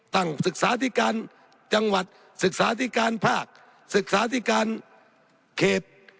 ตั้งศึกษาธิการจังหวัดศึกษาธิการภาคศึกษาธิการเขต